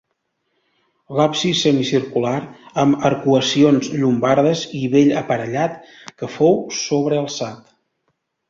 L'absis semicircular, amb arcuacions llombardes i bell aparellat, que fou sobrealçat.